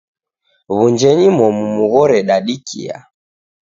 Wunjenyi momu mughore dadikia.